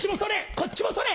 こっちもそれ！